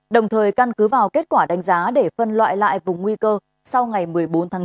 đồng thời căn cứ vào kết quả đánh giá để phân loại lại vùng nguy cơ sau ngày một mươi bốn tháng chín